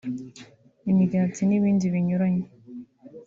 imigati n’ibindi binyuranye